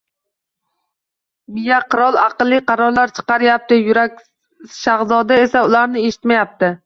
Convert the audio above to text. Miyaqirol, aqlli qarorlar chiqaryapti, yurakshahzoda esa ularni eshitmayapti